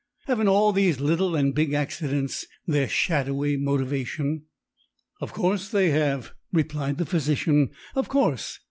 Haven't all these little and big accidents their shadowy motivation?" "Of course they have," replied the physician. "Of course!